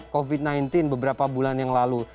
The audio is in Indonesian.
covid sembilan belas beberapa bulan yang lalu